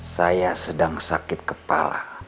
saya sedang sakit kepala